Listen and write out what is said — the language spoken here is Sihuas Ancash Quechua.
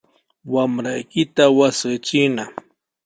Wamraykita wasqichiyna.